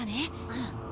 うん。